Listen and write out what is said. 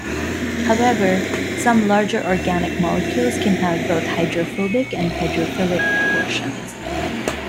However, some larger organic molecules can have both hydrophobic and hydrophilic portions.